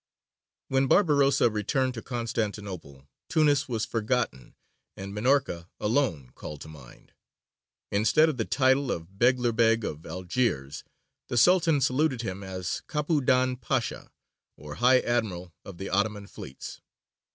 When Barbarossa returned to Constantinople Tunis was forgotten and Minorca alone called to mind: instead of the title of Beglerbeg of Algiers, the Sultan saluted him as Capudan Pasha or High Admiral of the Ottoman fleets.